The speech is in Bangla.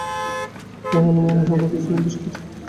তাহলে মনে হয় আমরা দুইজনও বেশ কাছের মানুষ।